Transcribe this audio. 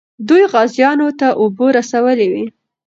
دوی غازیانو ته اوبه رسولې وې.